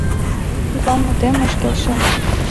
Тудлан мутем ыш келше.